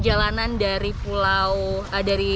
saya maafkan tuhan untuk berlaku dengan saya